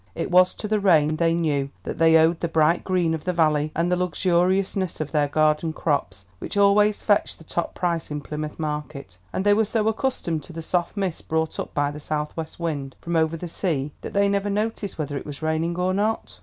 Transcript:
It was to the rain, they knew, that they owed the bright green of the valley and the luxuriousness of their garden crops, which always fetched the top price in Plymouth market; and they were so accustomed to the soft mist brought up by the south west wind from over the sea that they never noticed whether it was raining or not.